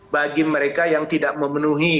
bagi mereka yang tidak memenuhi